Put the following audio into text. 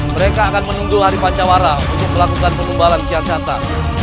mereka akan menunggu hari pancawara untuk melakukan penumbalan kian santang